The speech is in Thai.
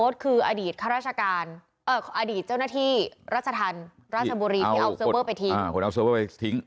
บพยาคืออดีตเข้าราชการเอออดีตเจ้าหน้าที่รัชทันราชบุรีที่เอาซิล์เบอร์ไปทิ้งอ่ะเขาดอะเอาซิลาเบอยู่ทิ้ง